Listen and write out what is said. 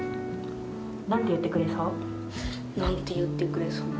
なんて言ってくれそう？